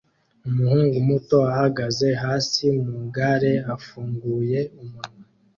Umuhungu muto ahagaze hasi mugari afunguye umunwa